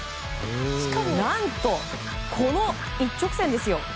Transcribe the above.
何と、一直線ですよ。